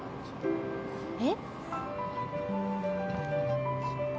えっ？